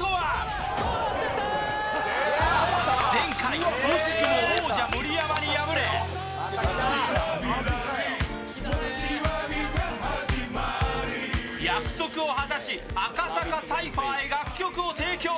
前回、惜しくも王者・盛山に敗れ約束を果たし、赤坂サイファーへ楽曲を提供。